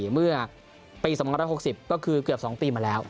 เมื่อปี๒๖๐ก็คือเกือบ๒ปีมาแล้ว